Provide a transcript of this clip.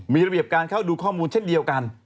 มีระเบียบการเข้าดูข้อมูลเช่นเดียวกัน